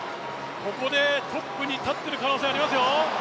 ここでトップに立つ可能性ありますよ。